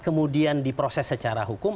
kemudian diproses secara hukum